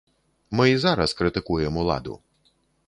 Мы і зараз крытыкуем уладу.